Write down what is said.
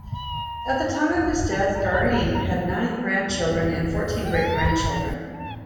At the time of his death, Guarnere had nine grandchildren and fourteen great-grandchildren.